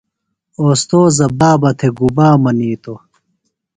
اوستوذہ بابہ تھےۡ گُبا منِیتوۡ؟